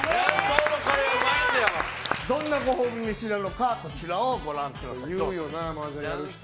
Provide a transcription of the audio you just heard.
どんなご褒美飯なのかこちらをご覧ください。